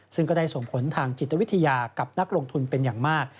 ซึ่งก็ได้ส่งผลทางจิตวิทยากับนักลงทุนเป็นอย่างมาก